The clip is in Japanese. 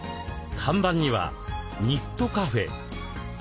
看板には「ニットカフェ」。